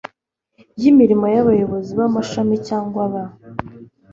y Imirimo Abayobozi b Amashami cyangwa ba